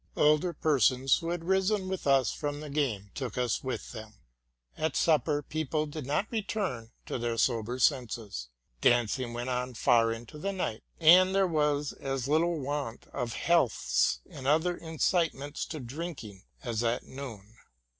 Older persons, who had risen with us from the game, took us with them. At supper people did not return to their sober senses either. Dancing went on far into the night, and there was as little want of healths and other incitements to drink ing as at noon.